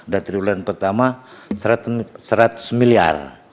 dan triwulan pertama seratus miliar